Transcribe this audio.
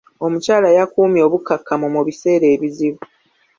Omukyala yakuumye obukkakkamu mu biseera ebizibu.